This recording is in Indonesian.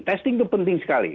testing itu penting sekali